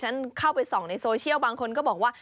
ฉันเข้าไปส่องในโซเชียลบางคนก็บอกว่า